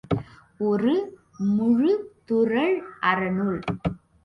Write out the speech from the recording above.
ஒரு முழுதுறழ் அறநூல்.